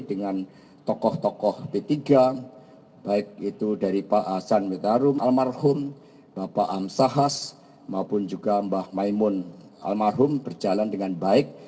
dengan tokoh tokoh p tiga baik itu dari pak hasan witarum almarhum bapak amsahas maupun juga mbah maimun almarhum berjalan dengan baik